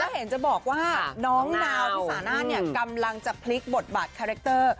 เห็นจะบอกว่าน้องนาวที่สาน่ากำลังจะพลิกบทบาทคาแรคเตอร์